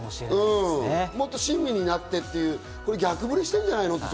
もっと親身になってっていう逆ぶりしてるんじゃないの？